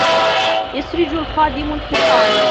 يُسْرِجُ الْخَادِمُ الْحِصَانَ.